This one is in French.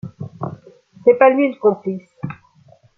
C’est pas lui le complice.